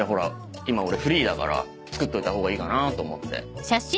今俺フリーだから作っといたほうがいいかなと思って。